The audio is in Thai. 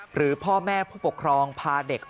หรือพ่อแม่ผู้ปกครองพาเด็ก